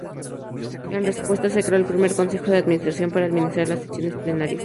En respuesta, se creó el primer Consejo de Administración, para administrar las sesiones plenarias.